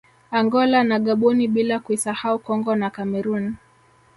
Angola na Gaboni bila kuisahau Congo na Cameroon